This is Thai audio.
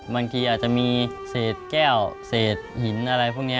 บางทีอาจจะมีเศษแก้วเศษหินอะไรพวกนี้